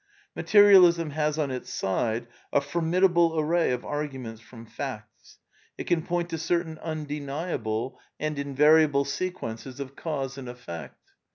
Materialism has on its side a formidable array of argu ments from facts. It can point to certain undeniable and SOME QUESTIONS OF PSYCHOLOGY 77 invariable sequences of cause and effect.